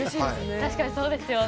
確かにそうですよね。